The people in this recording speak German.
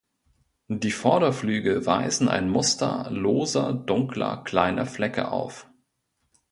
Die Vorderflügel weisen ein Muster loser dunkler kleiner Flecke auf.